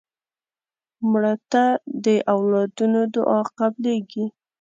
مړه ته د اولادونو دعا قبلیږي